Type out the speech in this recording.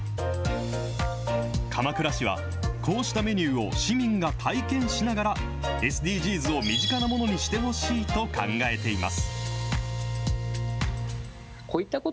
鎌倉市はこうしたメニューを市民が体験しながら、ＳＤＧｓを身近なものにしてほしいと考えています。